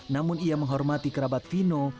namun ia menghormati kerabat vino